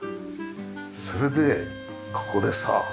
それでここでさ。